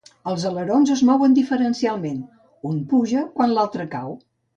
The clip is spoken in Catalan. Els alerons es mouen diferencialment-un puja com l'altre cau.